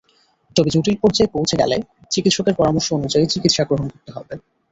তবে জটিল পর্যায়ে পৌঁছে গেলে চিকিৎসকের পরামর্শ অনুযায়ী চিকিৎসা গ্রহণ করতে হবে।